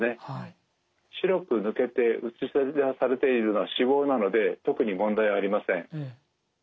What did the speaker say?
白く抜けて映し出されているのは脂肪なので特に問題はありません。